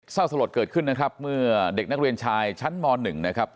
สลดเกิดขึ้นนะครับเมื่อเด็กนักเรียนชายชั้นม๑นะครับ